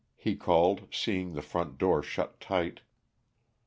he called, seeing the front door shut tight.